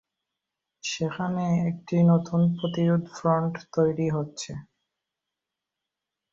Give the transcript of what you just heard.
সেখানে একটি নতুন প্রতিরোধ ফ্রন্ট তৈরি হচ্ছে।